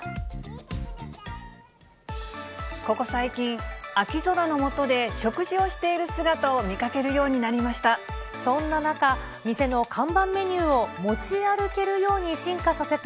ここ最近、秋空の下で食事をしている姿を見かけるようになりました。